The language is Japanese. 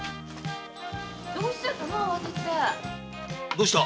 どうした？